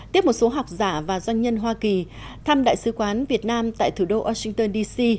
tiếp một số học giả và doanh nhân hoa kỳ thăm đại sứ quán việt nam tại thủ đô washington d c